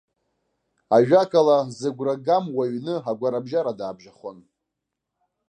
Ажәакала, зыгәра гам уаҩны агәарабжьара даабжьахон.